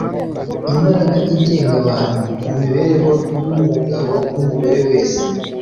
imbaraga igenga abantu mu mibereho yumugabo numugore wese